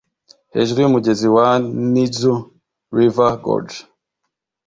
hejuru y’umugezi wa Nizhu River Gorge